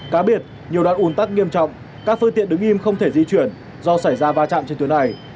cá biệt nhiều đoạn ủn tắc nghiêm trọng các phương tiện đứng im không thể di chuyển do xảy ra va chạm trên tuyến này